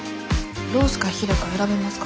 ロースかヒレか選べますか？